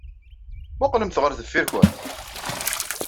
Mmuqqlemt ɣer deffir-went!